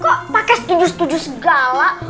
kok pakai setuju setuju segala